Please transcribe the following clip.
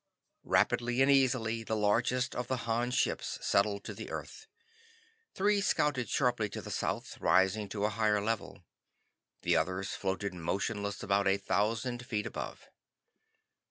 Rapidly and easily the largest of the Han ships settled to the earth. Three scouted sharply to the south, rising to a higher level. The others floated motionless about a thousand feet above.